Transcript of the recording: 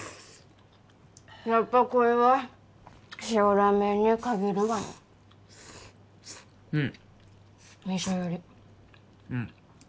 やっぱこいは塩ラーメンにかぎるがねうん味噌よりうん